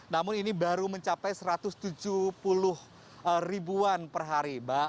namun ini baru mencapai satu ratus tujuh puluh ribuan per hari